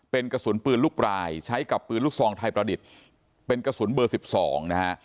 เป็นกระสุนปืนลูกปลายใช้กับปืนลูกซองไทยประดิษฐ์เป็นกระสุนเบอร์๑๒นะฮะ